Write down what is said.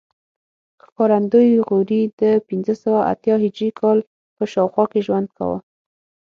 ښکارندوی غوري د پنځه سوه اتیا هجري کال په شاوخوا کې ژوند کاوه